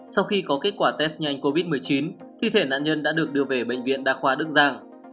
sau khi có kết quả test nhanh covid một mươi chín thi thể nạn nhân đã được đưa về bệnh viện đa khoa đức giang